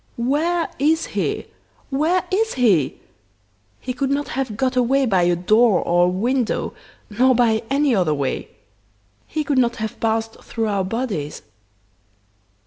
"Where is he? where is he? He could not have got away by a door or a window, nor by any other way. He could not have passed through our bodies!